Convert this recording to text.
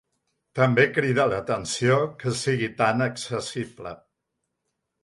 També crida l'atenció que sigui tant accessible.